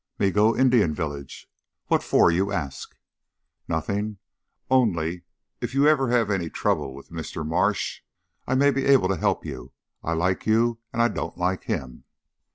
"Me go Indian village. What for you ask?" "Nothing. Only if you ever have any trouble with Mr. Marsh, I may be able to help you. I like you and I don't like him."